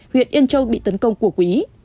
huyện yên châu bị tấn công của quý